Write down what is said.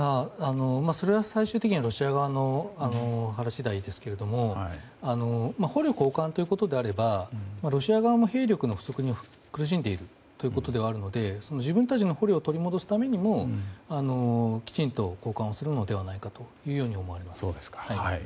それは最終的にはロシア側の腹次第ですが捕虜交換ということであればロシア側も兵力の不足に苦しんでいるので自分たちの捕虜を取り戻すためにもきちんと交換をするのではないかと思われます。